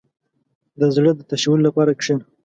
• د زړۀ د تشولو لپاره کښېنه.